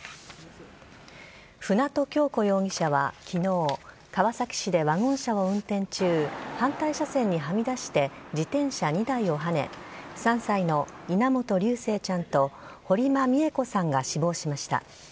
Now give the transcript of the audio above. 舟渡今日子容疑者はきのう、川崎市でワゴン車を運転中、反対車線にはみ出して自転車２台をはね、３歳の稲本琉正ちゃんと堀間美恵子さんが死亡しました。